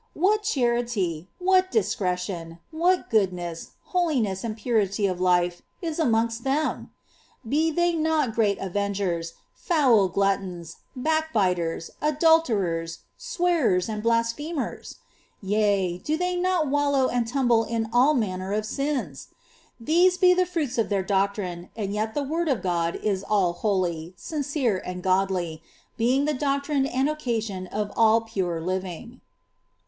What charity, what dis cretion, what jroodness, holiness, and purity of life, is amongst them ? Be they not great avensers, foul gluttons, backbiters, adulterers, swearers, and blas phemers ? ye«\ do tliey not wallow and tumble in all manner of sins? These be the fruits 'f th^'ir doctrine, and yet the word of God is all holy, sincere, and gn<Ity, hfinf the doctrme and occasion of all pure living.